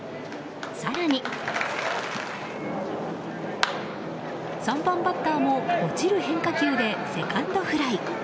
更に、３番バッターも落ちる変化球でセカンドフライ。